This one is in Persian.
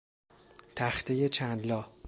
تختهی چند لا